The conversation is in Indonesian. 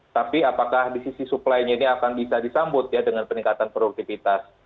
tapi apakah di sisi supply nya ini akan bisa disambut ya dengan peningkatan produktivitas